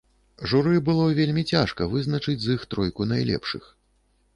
Журы было вельмі цяжка вызначыць з іх тройку найлепшых.